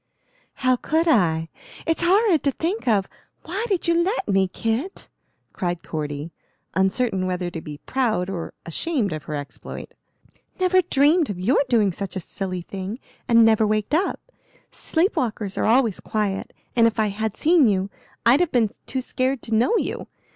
"How could I? It's horrid to think of. Why did you let me, Kit?" cried Cordy, uncertain whether to be proud or ashamed of her exploit. "Never dreamed of your doing such a silly thing, and never waked up. Sleep walkers are always quiet, and if I had seen you I'd have been too scared to know you.